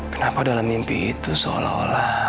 kenapa dalam mimpi itu seolah olah